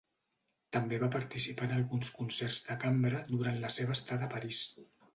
També va participar en alguns concerts de cambra durant la seva estada a París.